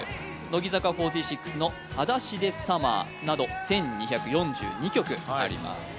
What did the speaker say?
乃木坂４６の「裸足でＳｕｍｍｅｒ」など１２４２曲あります